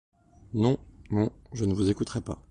Non, non, je ne vous écouterai pas.